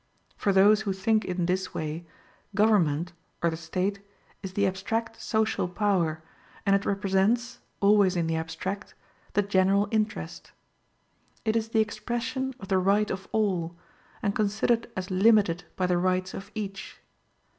For those who think in this way, government, or the State, is the abstract social power, and it represents, always in the abstract, the general interest. It is the expression of the right of all, and considered as limited by the rights of each.